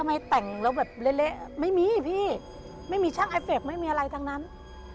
ทำไมแต่งแล้วแบบเละไม่มีพี่ไม่มีช่างไอเฟคไม่มีอะไรทั้งนั้น